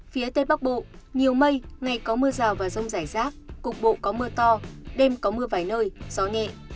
phía tây bắc bộ nhiều mây ngày có mưa rào và rông rải rác cục bộ có mưa to đêm có mưa vài nơi gió nhẹ